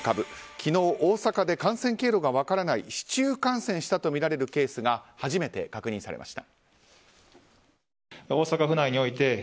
昨日、大阪で感染経路が分からない市中感染したとみられるケースが初めて確認されました。